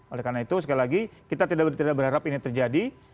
oleh karena itu sekali lagi kita tidak berharap ini terjadi